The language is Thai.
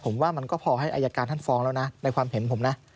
ผมว่ามันก็พอให้อายการท่านฟ้องแล้วนะในความเห็นผมนะ